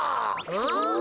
うん？